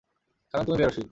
কারণ তুমি বেরসিক।